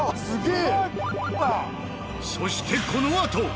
そしてこのあと。